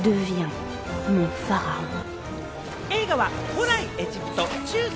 映画は古代エジプト、中世